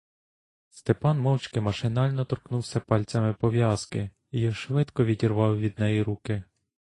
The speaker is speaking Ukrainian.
Степан мовчки машинально торкнувся пальцями пов'язки й швидко відірвав від неї руки.